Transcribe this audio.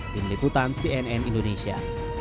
diliputan cnn indonesia